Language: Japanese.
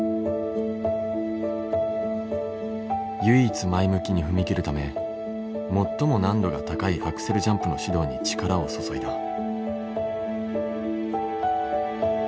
唯一前向きに踏み切るため最も難度が高いアクセルジャンプの指導に力を注いだ。